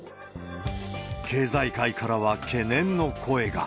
経済界からは懸念の声が。